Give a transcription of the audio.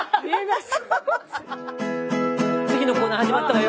次のコーナー始まったわよ。